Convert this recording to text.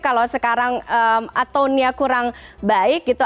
kalau sekarang atonenya kurang baik gitu